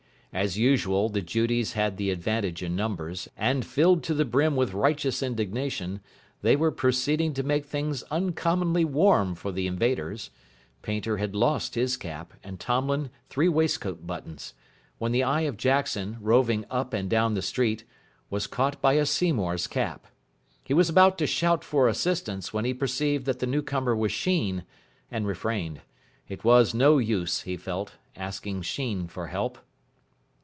As usual, the Judies had the advantage in numbers, and, filled to the brim with righteous indignation, they were proceeding to make things uncommonly warm for the invaders Painter had lost his cap, and Tomlin three waistcoat buttons when the eye of Jackson, roving up and down the street, was caught by a Seymour's cap. He was about to shout for assistance when he perceived that the newcomer was Sheen, and refrained. It was no use, he felt, asking Sheen for help.